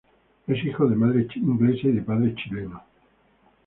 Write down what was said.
Es hijo de madre inglesa y de padre chileno.